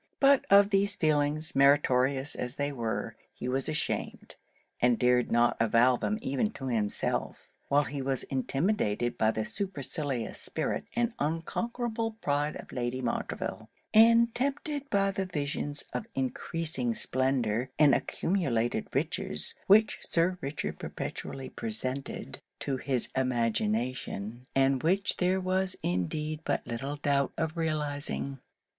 But of these feelings, meritorious as they were, he was ashamed, and dared not avow them even to himself; while he was intimidated by the supercilious spirit and unconquerable pride of Lady Montreville, and tempted by the visions of encreasing splendour and accumulated riches which Sir Richard perpetually presented to his imagination, and which there was indeed but little doubt of realizing.